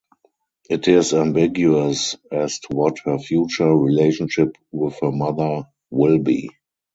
It is ambiguous as to what her future relationship with her mother will be.